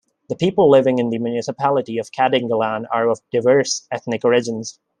The people living in the municipality of Kadingilan are of diverse ethnic origins.